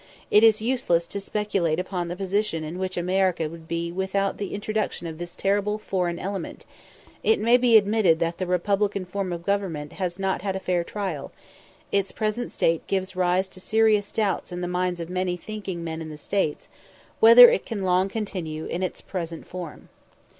It is useless to speculate upon the position in which America would be without the introduction of this terrible foreign element; it may be admitted that the republican form of government has not had a fair trial; its present state gives rise to serious doubts in the minds of many thinking men in the States, whether it can long continue in its present form.